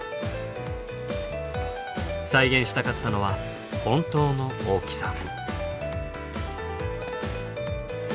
再現したかったのは本当の大きさ。